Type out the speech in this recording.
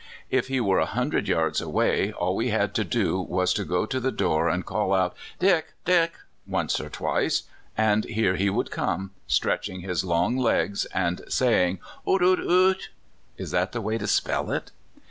If he were a hundred yards away, all we had to do was to go to the door and call out, " Dick! Dick! " once or twice, and here he would come, stretching his long legs, and saying, "Oot, oot, oot" (is that the way to spell it?).